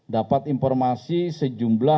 dapat informasi sejumlah enam lima ratus dua belas